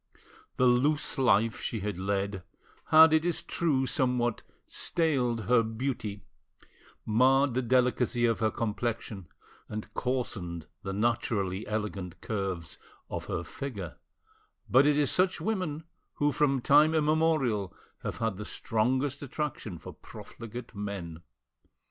The loose life she had led had, it is true, somewhat staled her beauty, marred the delicacy of her complexion, and coarsened the naturally elegant curves of her figure; but it is such women who from time immemorial have had the strongest attraction for profligate men.